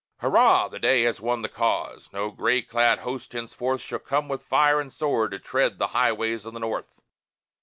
Hurrah! the day has won the cause! No gray clad host henceforth Shall come with fire and sword to tread the highways of the North!